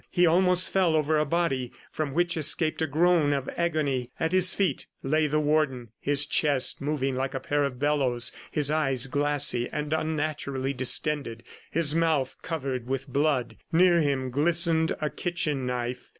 He almost fell over a body from which escaped a groan of agony. At his feet lay the Warden, his chest moving like a pair of bellows, his eyes glassy and unnaturally distended, his mouth covered with blood. ... Near him glistened a kitchen knife.